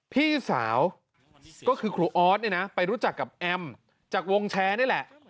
พี่สาวก็คือครูออสเนี่ยนะไปรู้จักกับแอมจากวงแชร์นี่แหละ